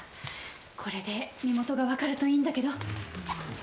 これで身元がわかるといいんだけど。